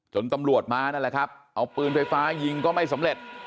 ตำรวจมานั่นแหละครับเอาปืนไฟฟ้ายิงก็ไม่สำเร็จ